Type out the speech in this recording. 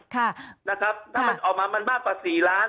ถ้ามันออกมามันมากกว่า๔ล้าน